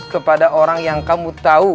kepada orang yang kamu tahu